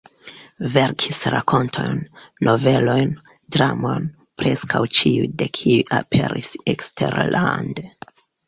Verkis rakontojn, novelojn, dramojn, preskaŭ ĉiuj de kiuj aperis eksterlande.